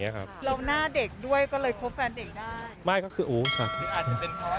เริ่มหน้าเด็กด้วยก็เลยคบแฟนเด็กได้